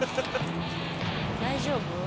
大丈夫？